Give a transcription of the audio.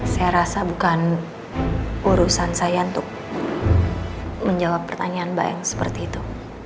saya rasa bukan urusan saya untuk menjawab pertanyaan mbak yang seperti itu